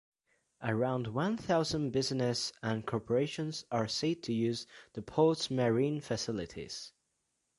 Around one thousand businesses and corporations are said to use the Port's marine facilities.